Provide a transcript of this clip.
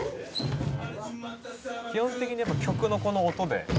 「基本的に曲のこの音で」